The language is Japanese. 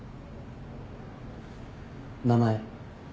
名前。